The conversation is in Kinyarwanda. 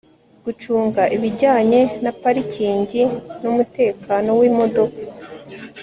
gucunga ibijyanye na parikingi n'umutekano w'imodoka